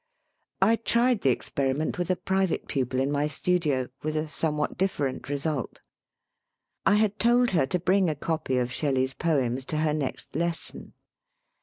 I tried the experiment, with a private pupil in my studio, with a somewhat different result. I had told her to bring a copy of Shelley's poems to her next lesson.